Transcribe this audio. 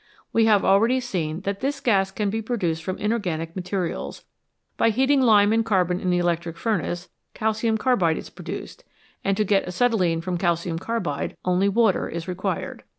We have already seen that this gas can be produced from inorganic materials ; by heating lime and carbon in the electric furnace calcium carbide is produced, and to get acetylene from calcium carbide only water is required.